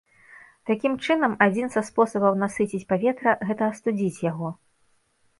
Такім чынам, адзін са спосабаў насыціць паветра, гэта астудзіць яго.